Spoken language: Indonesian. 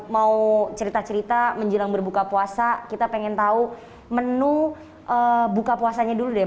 mau cerita cerita menjelang berbuka puasa kita pengen tahu menu buka puasanya dulu deh